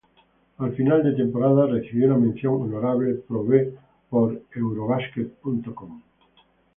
A final de temporada, recibió una "mención honorable" Pro B por "Eurobasket.com".